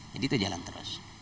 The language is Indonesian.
jadi itu jalan terus